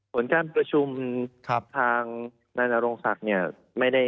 ผลการประชุมทางนานรงศักดิ์